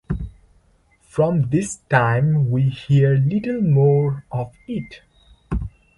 From this time we hear little more of it.